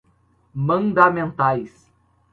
mandamentais